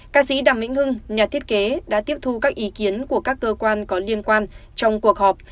ca sĩ đàm vĩnh hưng nhà thiết kế đã tiếp thu các ý kiến của các cơ quan có liên quan trong cuộc họp